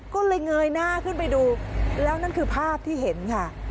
ก็เลยเงยหน้าขึ้นไปดูแล้วนั่นคือภาพที่เห็นค่ะ